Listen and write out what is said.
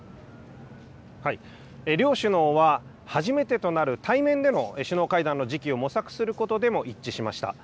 両首脳は、初めてとなる対面での首脳会談の時期を模索することでも一致しました。